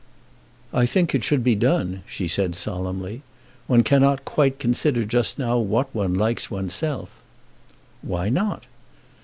"I think it should be done," she said solemnly. "One cannot quite consider just now what one likes oneself." "Why not?"